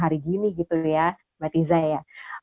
hari gini gitu ya